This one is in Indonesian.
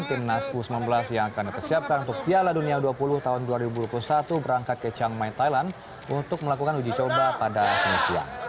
timnas u sembilan belas yang akan dipersiapkan untuk piala dunia u dua puluh tahun dua ribu dua puluh satu berangkat ke chang mai thailand untuk melakukan uji coba pada senin siang